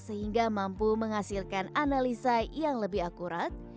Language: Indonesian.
sehingga mampu menghasilkan analisa yang lebih akurat